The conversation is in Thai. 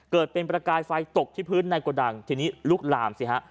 เกิดเป็นประกายไฟตกที่พื้นในกระดังทีนี้ลุกลามสิฮะ